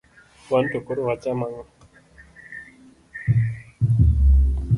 wanto koro wacham ang'o?